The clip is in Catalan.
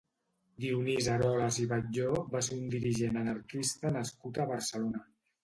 Dionís Eroles i Batlló va ser un dirigent anarquista nascut a Barcelona.